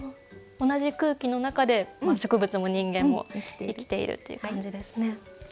同じ空気の中で植物も人間も生きているっていう感じですね。